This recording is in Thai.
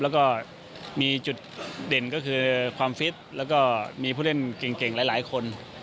แล้วก็มีจุดเด่นก็คือความฟิตแล้วก็มีผู้เล่นเก่งหลายคน